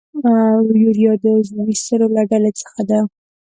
یوریا د عضوي سرو له ډلې څخه ده.